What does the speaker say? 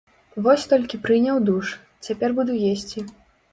Вось толькі прыняў душ, цяпер буду есці.